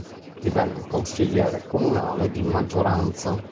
Divenne consigliere comunale di maggioranza.